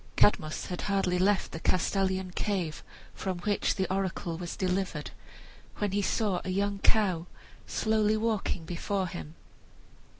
Cadmus had hardly left the Castalian cave, from which the oracle was delivered, when he saw a young cow slowly walking before him.